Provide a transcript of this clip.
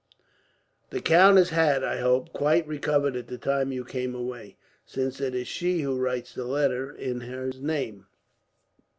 "The countess had, I hope, quite recovered at the time you came away, since it is she who writes the letter in his name."